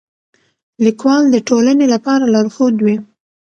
لیکوال د ټولنې لپاره لارښود وي.